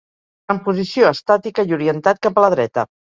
En posició estàtica i orientat cap a la dreta.